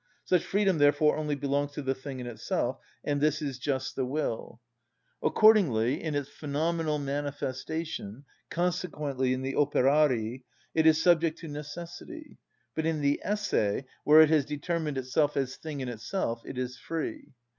Such freedom, therefore, only belongs to the thing in itself. And this is just the will. Accordingly, in its phenomenal manifestation, consequently in the Operari, it is subject to necessity; but in the Esse, where it has determined itself as thing in itself, it is free.